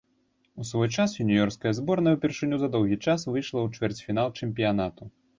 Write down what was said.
У свой час юніёрская зборная ўпершыню за доўгі час выйшла ў чвэрцьфінал чэмпіянату.